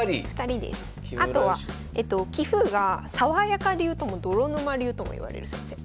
あとは棋風がさわやか流とも泥沼流ともいわれる先生。